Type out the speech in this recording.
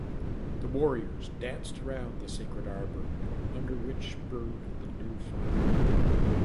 The warriors danced around the sacred arbor, under which burned the new fire.